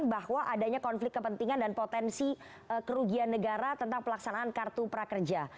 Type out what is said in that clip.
bahwa adanya konflik kepentingan dan potensi kerugian negara tentang pelaksanaan kartu prakerja